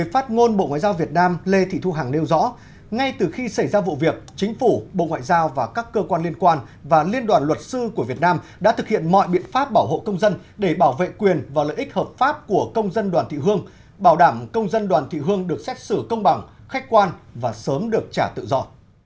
phát ngôn bộ ngoại giao việt nam lê thị thu hằng nêu rõ ngay từ khi xảy ra vụ việc chính phủ bộ ngoại giao và các cơ quan liên quan và liên đoàn luật sư của việt nam đã thực hiện mọi biện pháp bảo hộ công dân để bảo vệ quyền và lợi ích hợp pháp của công dân đoàn thị hương bảo đảm công dân đoàn thị hương được xét xử công bằng khách quan và sớm được trả tự do